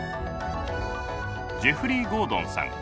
ジェフリー・ゴードンさん。